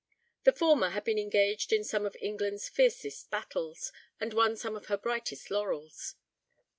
The former had been engaged in some of England's fiercest battles, and won some of her brightest laurels.